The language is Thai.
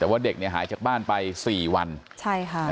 แต่ว่าเด็กเนี่ยหายจากบ้านไปสี่วันใช่ค่ะ